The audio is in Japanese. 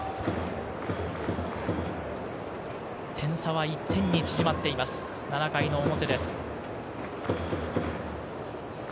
点差は１点に縮まっています、７回の表です。